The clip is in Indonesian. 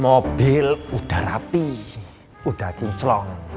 mobil udah rapi udah kinclong